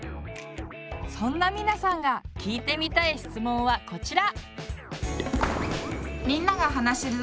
そんなミナさんが聞いてみたい質問はこちら！